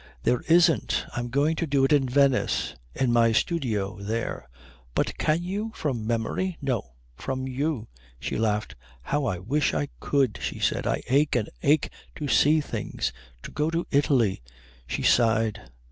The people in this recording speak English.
"There isn't. I'm going to do it in Venice. In my studio there." "But can you from memory?" "No. From you." She laughed. "How I wish I could!" she said. "I ache and ache to see things, to go to Italy " She sighed.